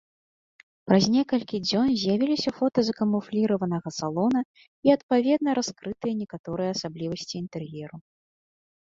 Праз некалькі дзён з'явіліся фота закамуфліраванага салона і, адпаведна, раскрытыя некаторыя асаблівасці інтэр'еру.